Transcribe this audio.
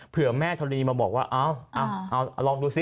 เพื่อแม่ทรีมาบอกว่าเอาลองดูซิ